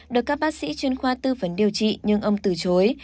được các bác sĩ chuyên khoa tư vấn điều trị nhưng ông từ chối